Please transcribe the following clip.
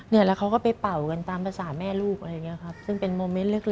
แล้วเขาก็ไปเป่ากันตามภาษาแม่ลูกอะไรอย่างนี้ครับซึ่งเป็นโมเมนต์เล็ก